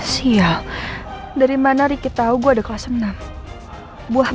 sia dari mana riki tahu gue ada kelas enam